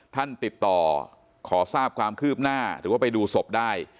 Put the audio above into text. ติดต่อขอทราบความคืบหน้าหรือว่าไปดูศพได้